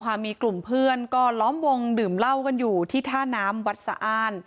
มีกลุ่มเพื่อนก็ล้อมวงดื่มเหล้ากันอยู่ที่ท่าน้ำวัดสะอ้าน